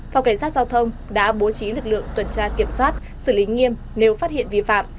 phòng cảnh sát giao thông đã bố trí lực lượng tuần tra kiểm soát xử lý nghiêm nếu phát hiện vi phạm